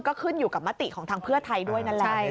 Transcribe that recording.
ก็ขึ้นอยู่กับมติของทางเพื่อไทยด้วยนั่นแหละ